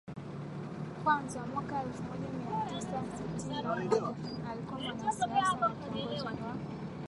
kwanza mwaka elfu moja mia tisa sitini na moja alikuwa mwanasiasa na kiongozi wa